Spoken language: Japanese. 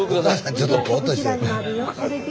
ちょっとポーッとしてる。